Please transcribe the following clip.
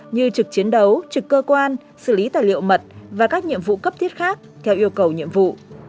như trực chiến đấu trực cơ quan xử lý tài liệu mật và các nhiệm vụ cấp thiết khác theo yêu cầu nhiệm vụ